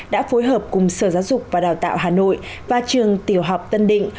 đã phối hợp cùng sở giáo dục và đào tạo hà nội và trường tiểu học tân định